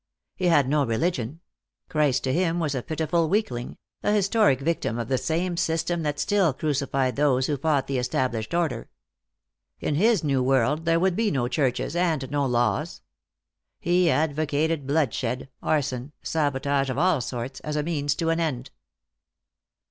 He had no religion; Christ to him was a pitiful weakling, a historic victim of the same system that still crucified those who fought the established order. In his new world there would be no churches and no laws. He advocated bloodshed, arson, sabotage of all sorts, as a means to an end.